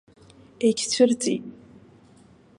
Егьцәырҵит.